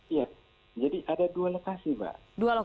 iya jadi ada dua lokasi pak